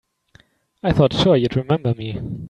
I thought sure you'd remember me.